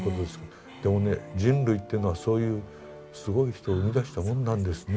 でもね人類というのはそういうすごい人を生み出したもんなんですね。